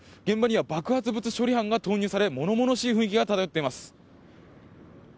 現場には爆発物処理班が投入され物々しい雰囲気が漂っています。